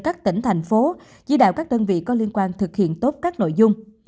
các tỉnh thành phố chỉ đạo các đơn vị có liên quan thực hiện tốt các nội dung